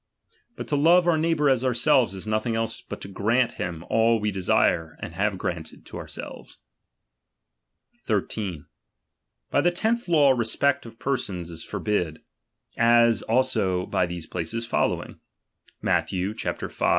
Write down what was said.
But to love our neigh ,T)our as ourselves, is nothing else but to grant him 1 we desire to have granted to ourselves. 13. By the tenth law respect of persons is for A]» ' T)id ; as also by these places following: Matth. of p^ ~v.